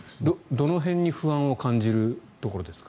どの辺が不安を感じるところですか？